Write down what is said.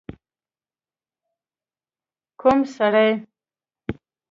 ک و م سړی؟